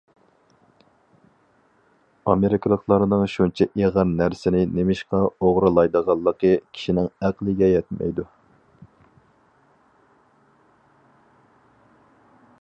ئامېرىكىلىقلارنىڭ شۇنچە ئېغىر نەرسىنى نېمىشقا ئوغرىلايدىغانلىقى كىشىنىڭ ئەقلىگە يەتمەيدۇ.